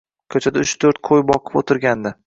Ko‘chada uch-to‘rtta qo‘y boqib o‘tirgandi.